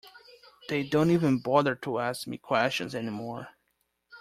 They don't even bother to ask me questions any more.